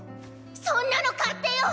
そんなの勝手よ！